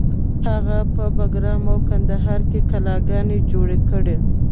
هغه په بګرام او کندهار کې کلاګانې جوړې کړې